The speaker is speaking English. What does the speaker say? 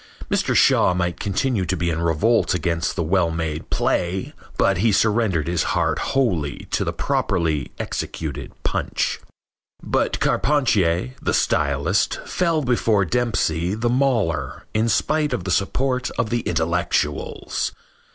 Mr. Shaw might continue to be in revolt against the well made play, but he surrendered his heart wholly to the properly executed punch. But Carpentier, the stylist, fell before Dempsey, the mauler, in spite of the support of the intellectuals.